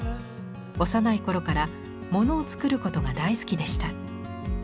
幼い頃からものを作ることが大好きでした。